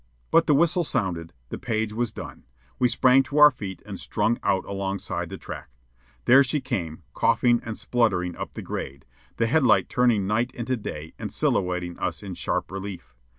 But the whistle sounded. The page was done. We sprang to our feet and strung out alongside the track. There she came, coughing and spluttering up the grade, the headlight turning night into day and silhouetting us in sharp relief.